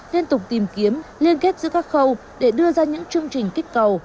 liên tục tìm kiếm liên kết giữa các khâu để đưa ra những chương trình kích cầu